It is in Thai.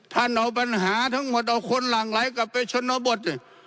ท่านเอาปัญหาทั้งหมดเอาคนหลั่งไหลกลับไปชนบท